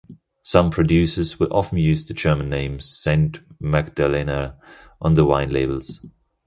Some producers will often use the German name "Saint Magdalener" on the wine labels.